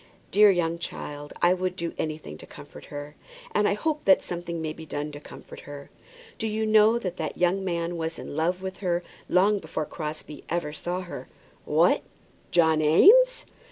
Dear young child, I would do anything to comfort her! And I hope that something may be done to comfort her. Do you know that that young man was in love with her long before Crosbie ever saw her?" "What; John Eames!"